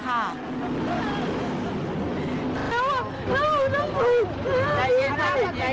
ใจเย็นนะ